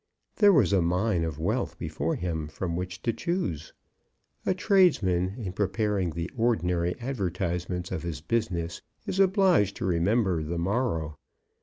There was a mine of wealth before him from which to choose. A tradesman in preparing the ordinary advertisements of his business is obliged to remember the morrow.